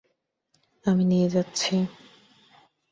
আমি নিয়ে যাচ্ছি!